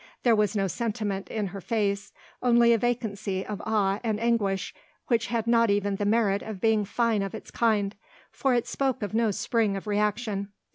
There was no sentiment in her face only a vacancy of awe and anguish which had not even the merit of being fine of its kind, for it spoke of no spring of reaction.